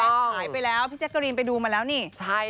ฉายไปแล้วพี่แจ๊กกะรีนไปดูมาแล้วนี่ใช่